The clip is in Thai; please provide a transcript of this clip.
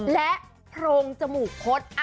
และโพรงจมูกคด